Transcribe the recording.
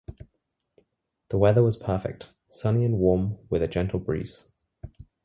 The weather was perfect - sunny and warm with a gentle breeze.